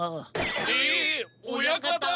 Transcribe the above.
ええ親方！